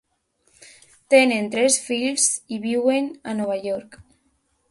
Tenen tres fills i viuen a Nova York.